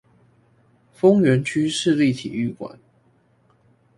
豐原區市立體育館